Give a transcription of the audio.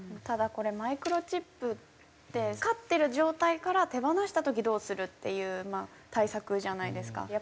ただマイクロチップって飼ってる状態から手放した時どうするっていう対策じゃないですか。